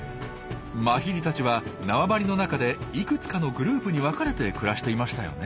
マヒリたちは縄張りの中でいくつかのグループに分かれて暮らしていましたよね？